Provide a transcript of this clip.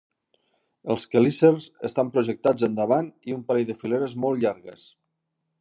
Els quelícers estan projectats endavant, i un parell de fileres molt llargues.